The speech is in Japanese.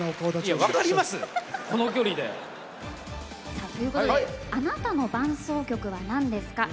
さあということで「あなたの“伴走曲”は何ですか？」。